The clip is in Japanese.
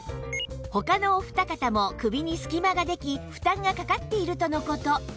他のお二方も首に隙間ができ負担がかかっているとの事